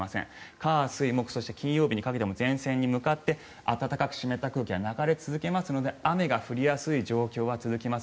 火水木、そして金曜日にかけても前線に向かって暖かく湿った空気が流れ続けますので雨が降りやすい状況は続きます。